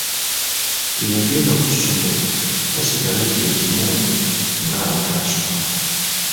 Eyagenda ku ssomero taasigale kye kimu ng’abataasoma.